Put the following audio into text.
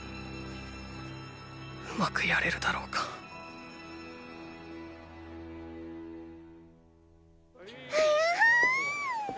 うまくやれるだろうかふやはあ！